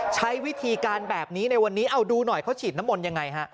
ใช้วิธีการแบบนี้ในวันนี้เอาดูหน่อยเขาฉีดน้ำมนต์ยังไงฮะ